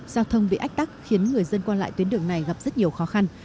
giao thông bị ách tắc khiến người dân qua lại tuyến đường này gặp rất nhiều khó khăn